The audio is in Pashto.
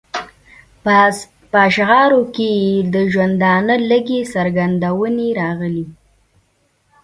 په اشعارو کې یې د ژوندانه لږې څرګندونې راغلې.